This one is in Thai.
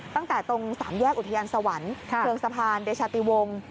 ตั้งแต่ตรงสามแยกอุทยานสวรรค์เชิงสะพานเดชาติวงศ์